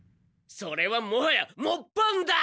それはもはやもっぱんだ！